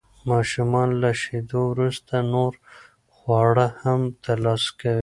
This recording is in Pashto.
ماشومان له شیدو وروسته نور خواړه هم ترلاسه کوي.